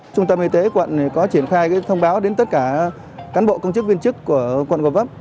trung tâm y tế quận có triển khai thông báo đến tất cả cán bộ công chức viên chức của quận gò vấp